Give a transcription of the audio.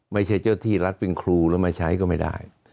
ไม่ใช่เจ้าที่รัฐเป็นครูแล้วมาใช้ก็ไม่ได้